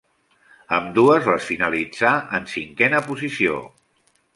Ambdues les finalitzà en cinquena posició.